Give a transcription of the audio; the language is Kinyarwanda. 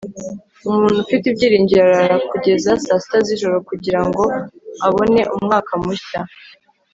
umuntu ufite ibyiringiro arara kugeza saa sita z'ijoro kugira ngo abone umwaka mushya